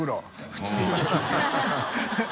普通の。